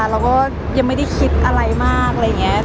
เราก็ยังไม่ได้คิดอะไรมากอะไรอย่างนี้